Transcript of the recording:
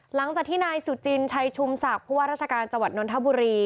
หลังจากที่นายสุจินชัยชุมศักดิ์ผู้ว่าราชการจังหวัดนนทบุรี